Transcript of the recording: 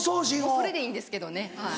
それでいいんですけどねはい。